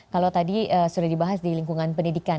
kalau tadi sudah dibahas di lingkungan pendidikan